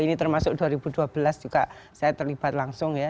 ini termasuk dua ribu dua belas juga saya terlibat langsung ya